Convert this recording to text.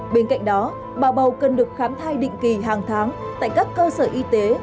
bên cạnh đó bà bầu cần được khám thai định kỳ hàng tháng tại các cơ sở y tế